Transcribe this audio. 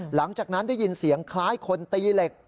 หลังจากนั้นได้ยินเสียงคล้ายคนตีเหล็ก